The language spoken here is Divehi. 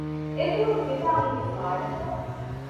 އެދުވަހު ހިބާ އިނީ ފާޑަކަށް